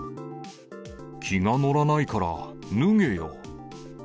気が乗らないから脱げよ。